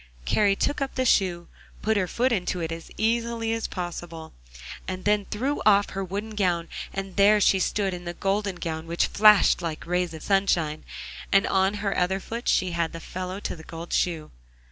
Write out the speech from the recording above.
Kari took up the shoe, put her foot into it as easily as possible, and then threw off her wooden gown, and there she stood in the golden gown which flashed like rays of sunshine, and on her other foot she had the fellow to the gold shoe.